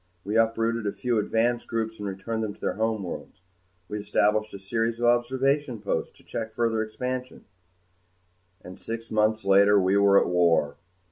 We uprooted a few advance groups and returned them to their homeworlds. We established a series of observation posts to check further expansion and six months later we were at war.